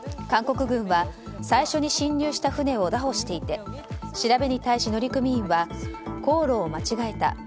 韓国軍は最初に侵入した船を拿捕していて調べに対し乗組員は航路を間違えた。